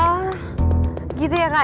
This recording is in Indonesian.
oh gitu ya kak